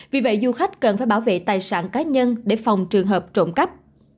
vì vậy du khách cần phải bảo vệ tài sản cá nhân để phòng trường hợp trộm cắp